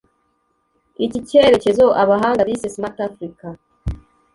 Iki cyerecyezo abahanga bise Smart Afrika